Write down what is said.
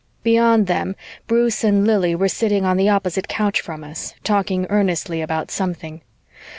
Beyond them, Bruce and Lili were sitting on the opposite couch from us, talking earnestly about something.